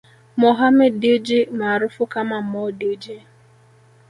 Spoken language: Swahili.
Mohammed Dewji maarufu kama Mo Dewji